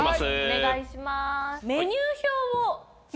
お願いします。